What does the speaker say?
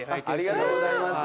ありがとうございます。